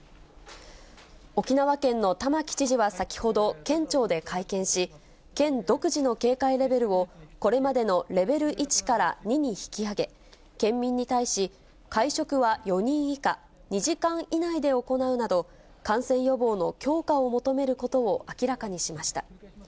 沖縄県の玉城知事は先ほど、県庁で会見し、県独自の警戒レベルを、これまでのレベル１から２に引き上げ、県民に対し、会食は４人以下、２時間以内で行うなど、感染予防の強化を求めることを明らかにしました。